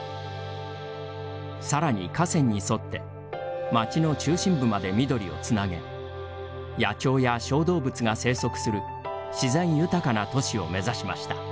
さらに河川に沿って街の中心部まで緑をつなげ野鳥や小動物が生息する自然豊かな都市を目指しました。